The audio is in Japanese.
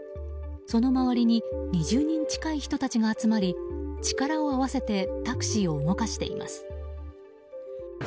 その周りに２０人近い人たちが集まり力を合わせてタクシーを動かしています。